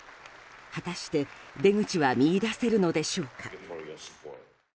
果たして出口は見いだせるのでしょうか。